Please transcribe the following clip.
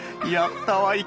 やったわ！